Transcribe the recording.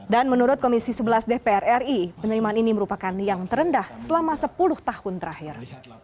dan menurut komisi sebelas dpr ri penerimaan ini merupakan yang terendah selama sepuluh tahun terakhir